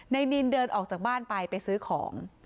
นินเดินออกจากบ้านไปไปซื้อของ